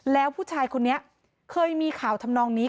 แล้วผู้ชายคนนี้เคยมีข่าวทำนองนี้